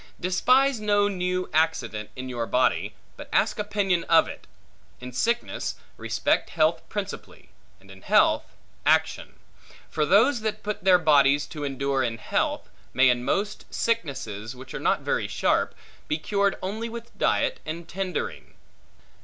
Despise no new accident in your body, but ask opinion of it. In sickness, respect health principally; and in health, action. For those that put their bodies to endure in health, may in most sicknesses, which are not very sharp, be cured only with diet, and tendering.